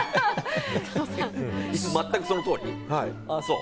全くそのとおり？